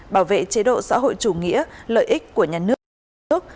bảo vệ chế độ xã hội chủ nghĩa lợi ích của nhà nước